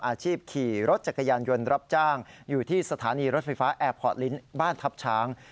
อาชีพขี่รถจักรยานยนต์รับจ้างอยู่ที่สถานีรถไฟฟ้าแอร์พอร์ตลิ้นบ้านทัพช้าง